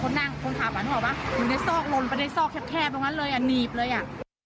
คนนั่งคนขาบห่างเป้นเหมือนมีสอกลนปะในสอกแคบตรงนั้นเลยอะหนีบเลยอะ